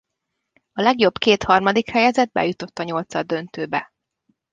A legjobb két harmadik helyezett bejutott a nyolcaddöntőbe.